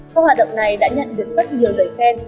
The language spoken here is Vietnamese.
các hoạt động này đã nhận được rất nhiều lời khen